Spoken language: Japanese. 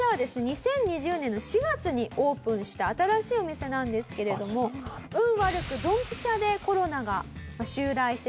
２０２０年の４月にオープンした新しいお店なんですけれども運悪くドンピシャでコロナが襲来してしまいました。